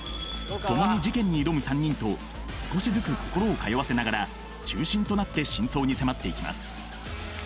共に事件に挑む３人と少しずつ心を通わせながら中心となって真相に迫っていきます